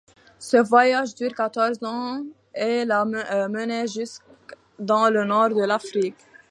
Ce voyage dure quatorze ans et l'a mené jusque dans le nord de l'Afrique.